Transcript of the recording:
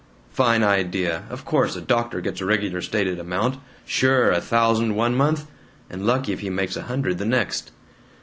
"Fine idea! Of course a doctor gets a regular stated amount! Sure! A thousand one month and lucky if he makes a hundred the next."